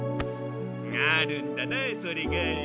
あるんだなそれが。